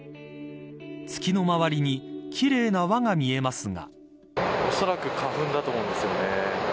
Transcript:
月の周りに奇麗な輪が見えますが。